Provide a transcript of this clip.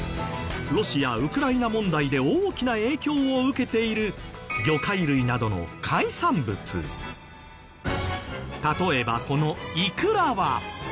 ロシア・ウクライナ問題で大きな影響を受けている魚介類などの例えばこのいくらは。